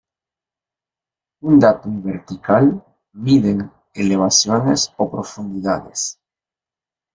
Un datum vertical miden elevaciones o profundidades.